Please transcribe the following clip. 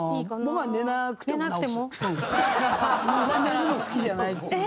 僕は寝るの好きじゃないっていうか。